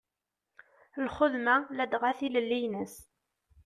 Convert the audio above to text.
Lxedma ladɣa tilelli-ines.